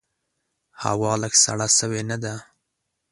هوا لږ سړه سوي نده؟